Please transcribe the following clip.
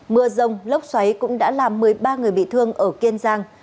mưa rông lốc xoáy cũng đã làm một mươi ba người bị thương ở kiên giang